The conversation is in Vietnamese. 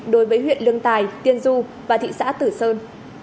đối với huyện lương tài tiên du và thị xã tử sơn